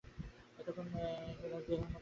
এতক্ষণ ওরা গুহার মধ্যে কী করছে?